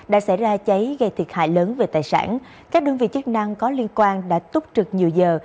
đã xảy ra cháy gây thiệt hại lớn về tài sản các đơn vị chức năng có liên quan đã túc trực nhiều giờ